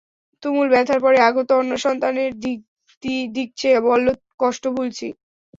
তুমুল ব্যথার পরে আগত অন্য সন্তানের দিকে চেয়ে বলল, কষ্ট ভুলছি।